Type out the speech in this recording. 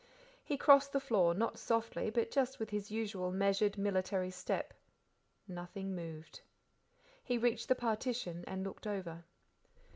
He crossed the floor, not softly, but just with his usual measured military step. Nothing moved. He reached the partition and looked over.